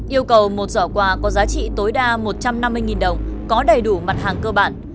yêu cầu một giỏ quà có giá trị tối đa một trăm năm mươi đồng có đầy đủ mặt hàng cơ bản